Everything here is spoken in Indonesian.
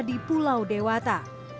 terutama di pulau dewata